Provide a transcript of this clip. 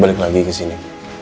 balik lagi ke sini